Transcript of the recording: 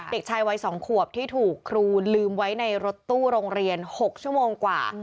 เด็กชายวัย๒ขวบที่ถูกครูลืมไว้ในรถตู้โรงเรียน๖ชั่วโมงกว่า